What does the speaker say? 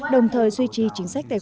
đồng thời duy trì chính phủ